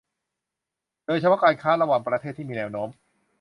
โดยเฉพาะการค้าระหว่างประเทศที่มีแนวโน้ม